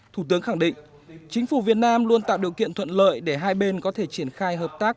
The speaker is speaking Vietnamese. thủ tướng khẳng định chính phủ việt nam luôn tạo điều kiện thuận lợi để hai bên có thể triển khai hợp tác